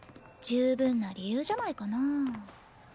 十分な理由じゃないかなぁ。